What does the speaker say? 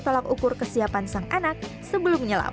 solak ukur kesiapan sang anak sebelum nyelam